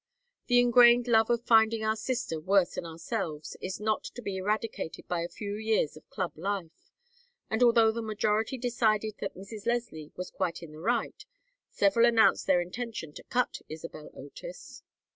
The ingrained love of finding our sister worse than ourselves is not to be eradicated by a few years of Club life, and although the majority decided that Mrs. Leslie was quite in the right, several announced their intention to cut Isabel Otis.